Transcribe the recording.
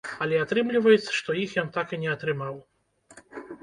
Але атрымліваецца, што іх ён так і не атрымаў.